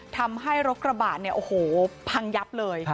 ทำให้รถกระบะเนี่ยโอ้โหพังยับเลย